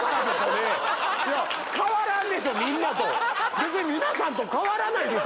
別に皆さんと変わらないです！